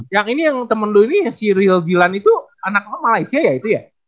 yang ini yang temen lu ini si ril gilan itu anak lo malaysia ya itu ya